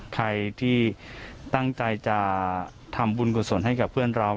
ใครที่ตั้งใจจะทำบุญกุศลให้กับเพื่อนเรา